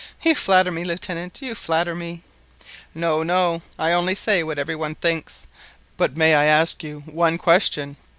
"You flatter me, Lieutenant; you flatter me." "No, no; I only say what every one thinks. But may I ask you one question.